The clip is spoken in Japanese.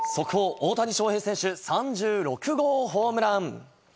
大谷翔平選手、３６号ホームラン。